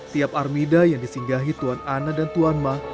tiap armida yang disinggahi tuhan ana dan tuhan mah